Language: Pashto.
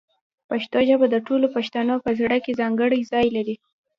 پښتو ژبه د ټولو پښتنو په زړه کې ځانګړی ځای لري.